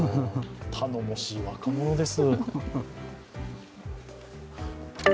頼もしい若者です。